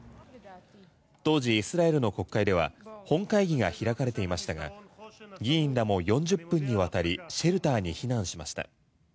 当時、イスラエルの国会では本会議が開かれていましたが議員らも４０分にわたりシェルターに避難しました。